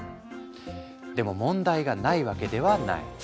でも問題がないわけではない。